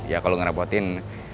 ya kalau ngerepotin